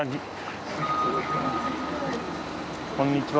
こんにちは。